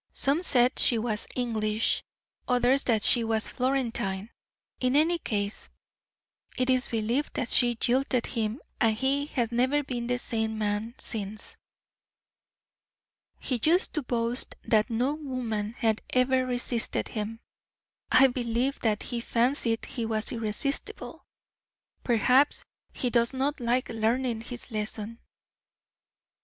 Some said she was English, others that she was Florentine; in any case, it is believed that she jilted him, and he has never been the same man since. He used to boast that no woman had ever resisted him. I believe that he fancied he was irresistible. Perhaps he does not like learning his lesson."